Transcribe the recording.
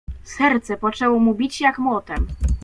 Serce poczęło mu bić jak młotem.